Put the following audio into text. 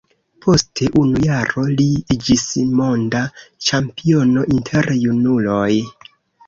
Post unu jaro li iĝis monda ĉampiono inter junuloj.